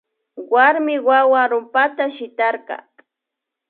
Warmi wawa rumpata shitarka